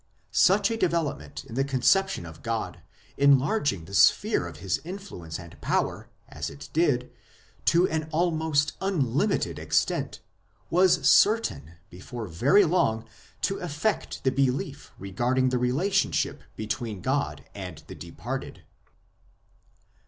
Such a development in the conception of God, enlarging the sphere of His influence and power, as it did, to an almost unlimited extent, was certain before very long to affect the belief regarding the relationship between God and the departed.